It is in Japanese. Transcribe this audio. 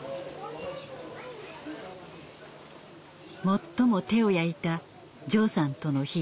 最も手を焼いたジョーさんとの日々。